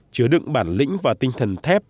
chứa đựng bản lĩnh và tinh thần thép